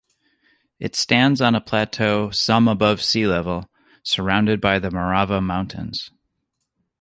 It stands on a plateau some above sea level, surrounded by the Morava Mountains.